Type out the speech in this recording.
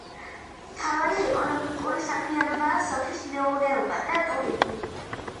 მთავარი ეკონომიკური საქმიანობაა სოფლის მეურნეობა და ტურიზმი.